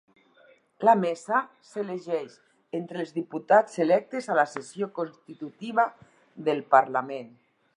La Mesa s'elegeix entre els diputats electes a la sessió constitutiva del Parlament.